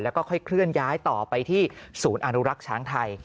แล้วก็ค่อยเคลื่อนย้ายต่อไปที่ศูนย์อนุรักษ์ช้างไทย